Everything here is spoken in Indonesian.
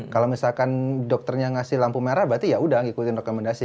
kalo misalkan dokternya ngasih lampu merah berarti yaudah ngikutin rekomendasi